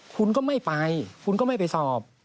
คุณก็ไม่ไปคุณก็ไม่ไปสอบ